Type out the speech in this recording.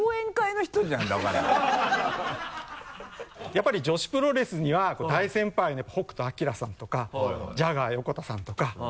やっぱり女子プロレスには大先輩の北斗晶さんとかジャガー横田さんとか。